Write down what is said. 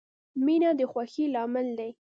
• مینه د خوښۍ لامل دی.